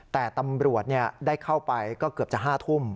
แต่ตำรวจได้เข้าไปก็เกือบจะ๕ทุ่ม